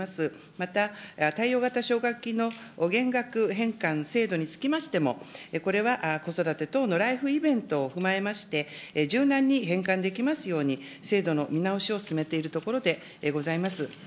また貸与型奨学金の減額返還制度につきましても、これは子育て等のライフイベントを踏まえまして、柔軟に返還できますように、制度の見直しを進めているところでございます。